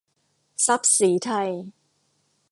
ทรัพย์ศรีไทย